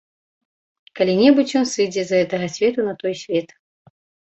Калі-небудзь ён сыдзе з гэтага свету на той свет.